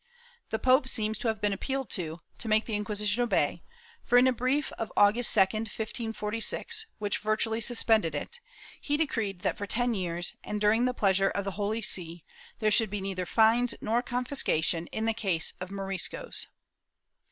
The pope seems to have been appealed to, to make the Inquisition obey, for in a brief of August 2, 1546, which vir tually suspended it, he decreed that for ten years, and during the pleasure of the Holy See, there should be neither fines nor confis cation in the case of Moriscos.'